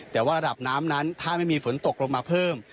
แต่ว่าระดับน้ำนั้นถ้าไม่มีฝนตกลงมาเพิ่ม